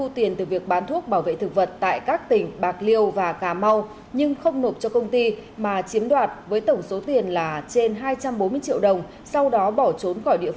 xin chào và hẹn gặp lại